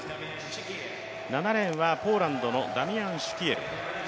７レーンはポーランドのダミアン・シュキエル。